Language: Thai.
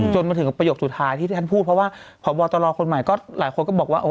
จนมาถึงประโยคสุดท้ายที่ท่านพูดเพราะว่าพบตรคนใหม่ก็หลายคนก็บอกว่า